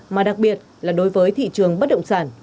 mà đặc biệt là đối với thị trường bất động sản